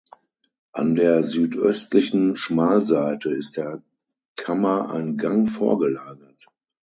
An der südöstlichen Schmalseite ist der Kammer ein Gang vorgelagert.